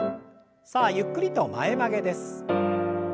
さあゆっくりと前曲げです。